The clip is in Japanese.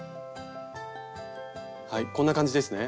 はいこんな感じですね。